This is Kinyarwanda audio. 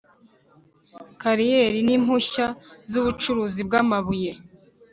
kariyeri n impushya z ubucukuzi bw amabuye